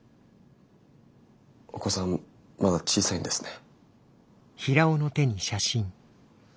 お子さんまだ小さいんですね。